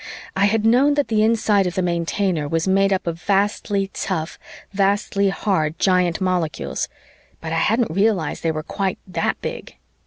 I had known that the inside of the Maintainer was made up of vastly tough, vastly hard giant molecules, but I hadn't realized they were quite that big.